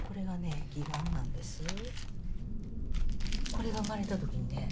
これが生まれた時にね